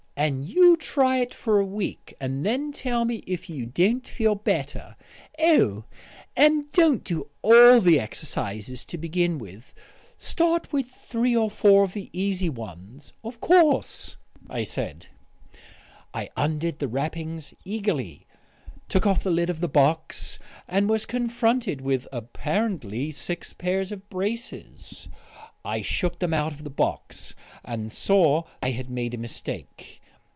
"And you try it for a week, and then tell me if you don't feel better. Oh, and don't do all the exercises to begin with; start with three or four of the easy ones." "Of course," I said. I undid the wrappings eagerly, took off the lid of the box, and was confronted with (apparently) six pairs of braces. I shook them out of the box and saw I had made a mistake.